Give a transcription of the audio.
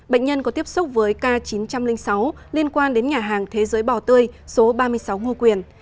bệnh nhân có tiếp xúc với k chín trăm linh sáu liên quan đến nhà hàng thế giới bò tươi số ba mươi sáu ngô quyền